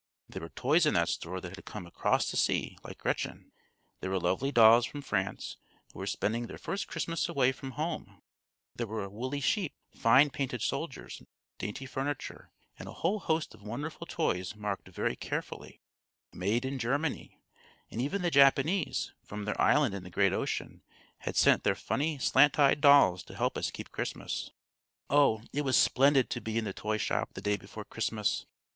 There were toys in that store that had come across the sea like Gretchen; there were lovely dolls from France, who were spending their first Christmas away from home; there were woolly sheep, fine painted soldiers, and dainty furniture, and a whole host of wonderful toys marked very carefully, "Made in Germany"; and even the Japanese, from their island in the great ocean, had sent their funny slant eyed dolls to help us keep Christmas. Oh! it was splendid to be in the toyshop the day before Christmas!